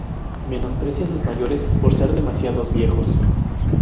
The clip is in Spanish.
Menosprecia a sus mayores por ser demasiados viejos